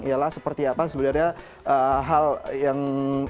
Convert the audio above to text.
ialah seperti apa sebenarnya hal yang